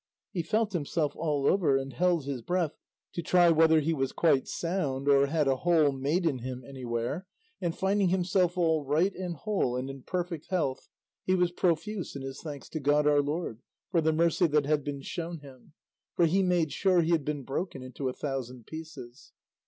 He felt himself all over and held his breath to try whether he was quite sound or had a hole made in him anywhere, and finding himself all right and whole and in perfect health he was profuse in his thanks to God our Lord for the mercy that had been shown him, for he made sure he had been broken into a thousand pieces.